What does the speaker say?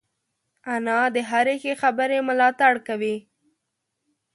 انا د هرې ښې خبرې ملاتړ کوي